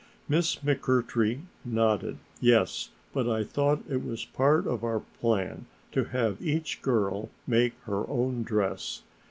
Miss McMurtry nodded, "Yes, but I thought it was part of our plan to have each girl make her own dress.